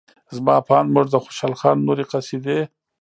زما په اند موږ د خوشال خان نورې قصیدې